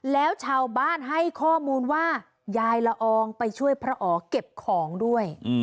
แล้วชาวบ้านให้ข้อมูลว่ายายละอองไปช่วยพระอ๋อเก็บของด้วย